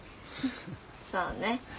そうね。